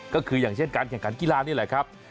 ก็คืออย่างเช่นการแข่งขันกีฬานี่แหละครับ